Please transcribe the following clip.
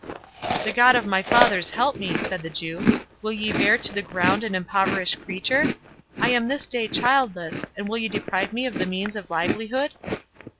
"The God of my fathers help me!" said the Jew; "will ye bear to the ground an impoverished creature?—I am this day childless, and will ye deprive me of the means of livelihood?"